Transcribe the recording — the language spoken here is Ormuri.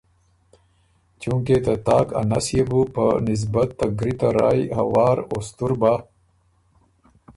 چونکې ته تاک ا نس يې بو په نسبت ته ګری ته رایٛ هوار او ستُر بَۀ،